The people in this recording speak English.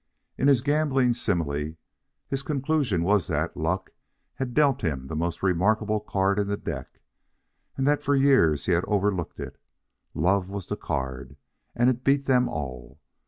In his gambling simile, his conclusion was that Luck had dealt him the most remarkable card in the deck, and that for years he had overlooked it. Love was the card, and it beat them all.